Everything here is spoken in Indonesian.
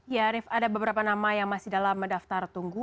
ya arief ada beberapa nama yang masih dalam daftar tunggu